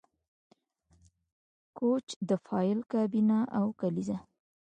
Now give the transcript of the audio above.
کوچ د فایل کابینه او کلیزه